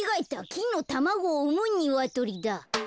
きんのたまごをうむニワトリだ。